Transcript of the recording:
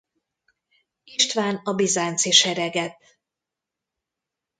István a bizánci sereget.